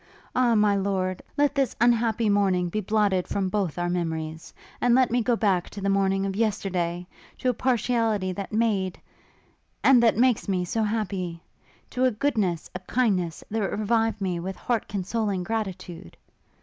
Ah, my lord, let this unhappy morning be blotted from both our memories! and let me go back to the morning of yesterday! to a partiality that made, and that makes me so happy! to a goodness, a kindness, that revive me with heart consoling gratitude!'